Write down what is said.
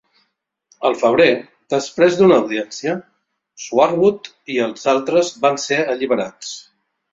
Al febrer, després d'una audiència, Swartwout i els altres van ser alliberats.